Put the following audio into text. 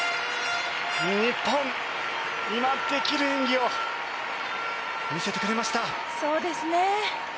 日本、今できる演技を見せてくれました。